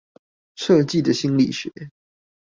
設計的心理學